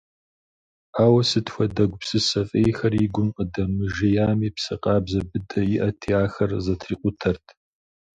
Ауэ сыт хуэдэ гупсысэ фӏейхэр и гум къыдэмыжеями, псэ къабзэ быдэ иӏэти, ахэр зэтрикъутэрт.